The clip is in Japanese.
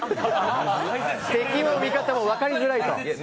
敵も味方も分かりづらいと。